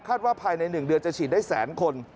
ว่าภายใน๑เดือนจะฉีดได้แสนคน